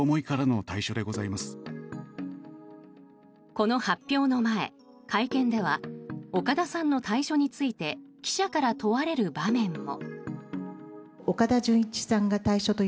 この発表の前、会見では岡田さんの退所について記者から問われる場面も。